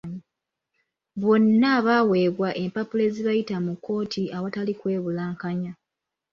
Bonna baaweebwa empapula ezibayita mu kkooti awatali kwe bulankanya.